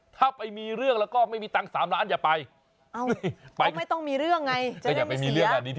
ถ้าไปมีเรื่องแล้วก็ไม่มีตังค์๓ล้านอย่าไป